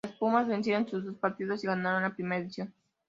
Los Pumas vencieron sus dos partidos y ganaron la primera edición.